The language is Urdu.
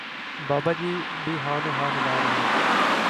بابا جی بھی ہاں میں ہاں ملا رہے